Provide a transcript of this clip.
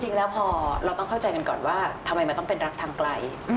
จริงแล้วพอเราต้องเข้าใจกันก่อนว่าทำไมมันต้องเป็นรักทางไกล